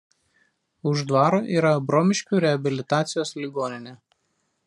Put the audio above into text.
Už dvaro yra Abromiškių reabilitacijos ligoninė.